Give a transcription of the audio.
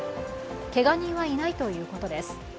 けが人はいないということです。